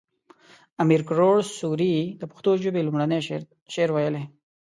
امیر کروړ سوري د پښتو ژبې لومړنی شعر ويلی